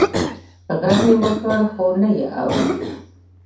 غږ مې وکړ خو نه یې اږري